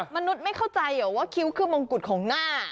มนุษย์ไม่เข้าใจเหรอว่าคิ้วคือมงกุฎของหน้า